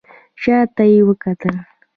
شا ته يې وکتل.